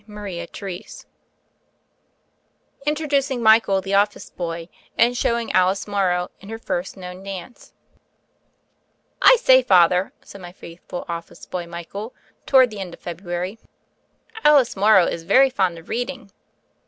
CHAPTER III INTRODUCING MICHAEL, THE OFFICE BOY, AND SHOWING ALICE MORROW IN HER FIRST KNOWN DANCE 1SAY, Father," said my faithful office boy, Michael, toward the end of February, "Alice Morrow is very fond of reading."